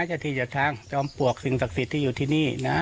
เจ้าที่จะทั้งก็ออมปลวกสิ่งศักดิ์ศิริที่อยู่ที่นี่นะอ่ะ